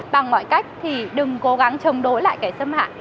bằng mọi cách thì đừng cố gắng chống đối lại kẻ xâm hại